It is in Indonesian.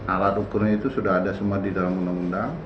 alat ukurnya itu sudah ada semua di dalam undang undang